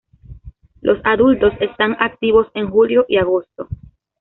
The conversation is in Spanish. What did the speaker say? Los adultos están activos en julio y agosto.